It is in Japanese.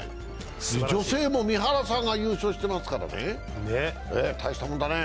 女性も三原さんが優勝してますからね、大したもんだね。